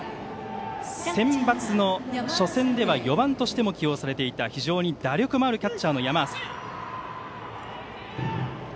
センバツの初戦では４番としても起用されていた非常に打力もあるキャッチャーの山浅。